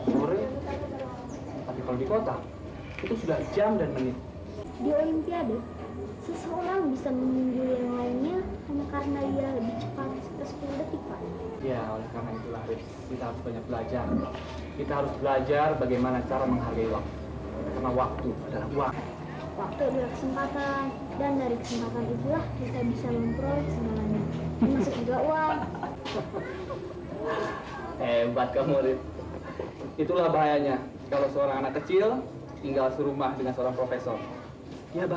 sore tapi kalau di kota itu sudah jam dan menit di oimp ya deh seseorang bisa mengundur yang lainnya